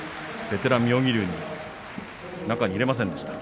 ベテラン妙義龍を中に入れませんでした。